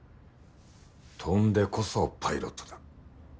飛んでこそパイロットだ。